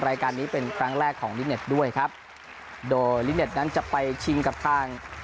รายการนี้เป็นครั้งแรกของลิเน็ตด้วยครับโดยลิเน็ตนั้นจะไปชิงกับทาง